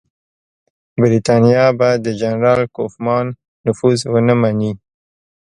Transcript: برټانیه به د جنرال کوفمان نفوذ ونه مني.